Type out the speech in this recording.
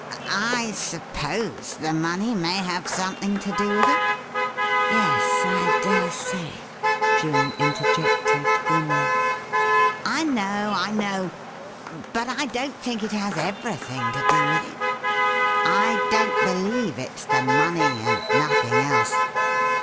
I suppose the money may have some thing to do with it.' 'Yes, I dare say,' Jim interjected grimly. ' I know — I know ; but I don't think it has everything to do with it. I don't believe it's the money and nothing else.